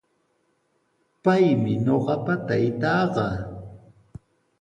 Paymi ñuqapa taytaaqa.